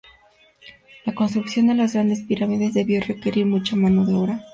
La construcción de las grandes pirámides debió requerir mucha mano de obra.